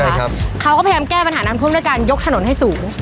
ครับเขาก็พยายามแก้ปัญหาน้ำท่วมด้วยการยกถนนให้สูง